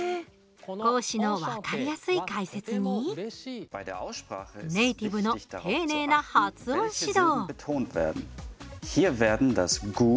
講師の分かりやすい解説にネイティブの丁寧な発音指導。